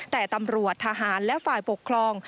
แต่ตำรวจทหารและฝ่ายปกครอง